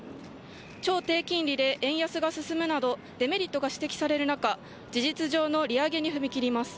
超低金利で円安が進むなどデメリットが指摘される中事実上の利上げに踏み切ります。